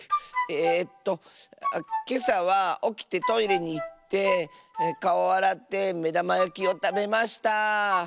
えっとけさはおきてトイレにいってかおあらってめだまやきをたべました。